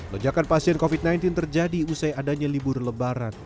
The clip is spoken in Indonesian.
lonjakan pasien covid sembilan belas terjadi usai adanya libur lebaran